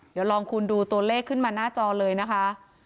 เดี๋ยวลองคุณดูตัวเลขขึ้นมาหน้าจอเลยนะคะ